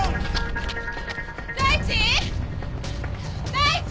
大地？